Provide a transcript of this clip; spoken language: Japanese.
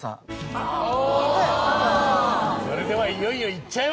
それではいよいよいっちゃいますか！